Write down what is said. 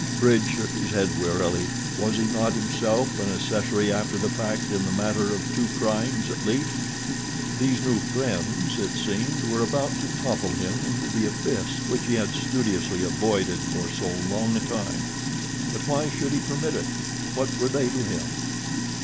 Bridge shook his head wearily. Was he not himself an accessory after the fact in the matter of two crimes at least? These new friends, it seemed, were about to topple him into the abyss which he had studiously avoided for so long a time. But why should he permit it? What were they to him?